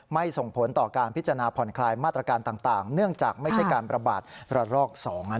ส่งผลต่อการพิจารณาผ่อนคลายมาตรการต่างเนื่องจากไม่ใช่การประบาดระลอก๒